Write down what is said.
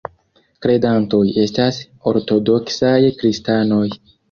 Kredantoj estas ortodoksaj kristanoj.